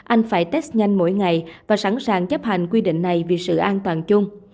anh phải test nhanh mỗi ngày và sẵn sàng chấp hành quy định này vì sự an toàn chung